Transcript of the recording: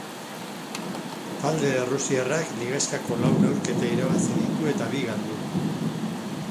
Talde erruasiarrak ligaxkako lau neurketa irabazi ditu eta bi galdu.